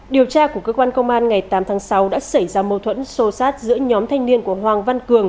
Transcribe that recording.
điều tra của cơ quan công an ngày tám tháng sáu đã xảy ra mâu thuẫn sô sát giữa nhóm thanh niên của hoàng văn cường